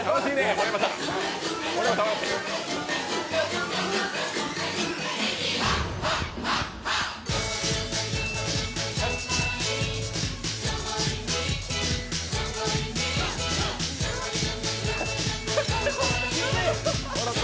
盛山さん、笑って！